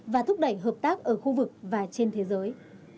và thúc đẩy hợp tác ở khu vực và trên thế giới